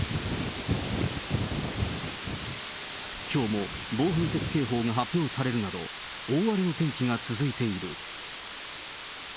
きょうも暴風雪警報が発表されるなど、大荒れの天気が続いている。